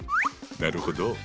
なるほど！